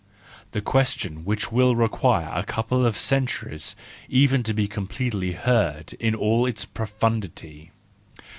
—the question which will require a couple of centuries even to be completely heard in all its profundity.